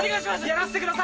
やらせてください！